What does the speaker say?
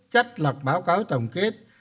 chất lọc báo cáo tổng kết